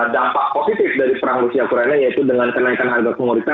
dampak positif dari perang rusia ukraine yaitu dengan kenaikan harga kumul kita